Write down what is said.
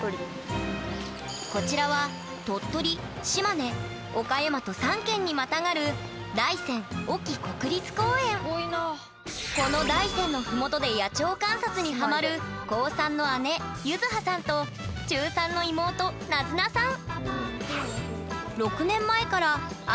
こちらは鳥取島根岡山と３県にまたがるこの大山の麓で野鳥観察にハマる高３の姉ゆずはさんと中３の妹なづなさん！